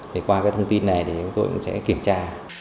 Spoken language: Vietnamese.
thì qua cái thông tin này thì chúng tôi cũng sẽ kiểm tra